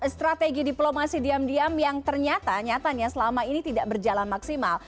strategi diplomasi diam diam yang ternyata nyatanya selama ini tidak berjalan maksimal